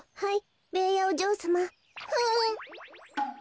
はい。